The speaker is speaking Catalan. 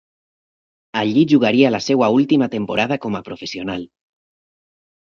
Allí jugaria la seua última temporada com a professional.